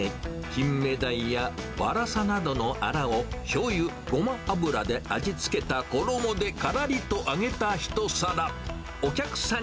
キンメダイやワラサなどのアラをしょうゆ、ごま油で味付けたころもでからりと揚げた一皿。